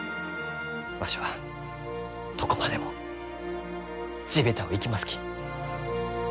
わしはどこまでも地べたを行きますき。